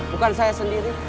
bukan saya sendiri